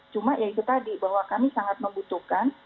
cuma ya itu tadi bahwa kami sangat membutuhkan